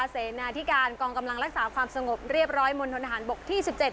เสนาธิการกองกำลังรักษาความสงบเรียบร้อยมณฑนทหารบกที่๑๗